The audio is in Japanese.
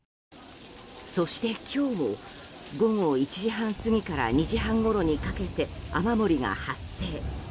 そして今日も午後１時半過ぎから２時半ごろにかけて雨漏りが発生。